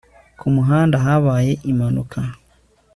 ku muhanda habaye impanuka